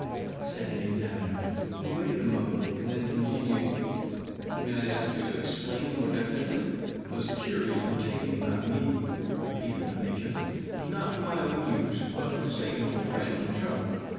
said the examiner. He waited a moment, and then continued: "May I ask you to explain more definitely?" "The securities were taken by me," repeated the major. "It was not for my own use, but to save an old friend in trouble.